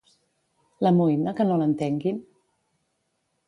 L'amoïna que no l'entenguin?